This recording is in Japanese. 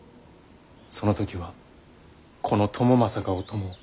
その時はこの朝雅がお供を。